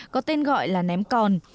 có tên gọi là ném con